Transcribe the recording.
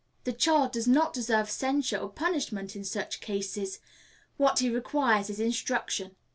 The child does not deserve censure or punishment in such cases; what he requires is instruction.